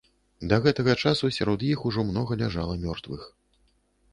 Да гэтага часу сярод іх ужо многа ляжала мёртвых.